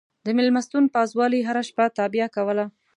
د مېلمستون پازوالې هره شپه تابیا کوله.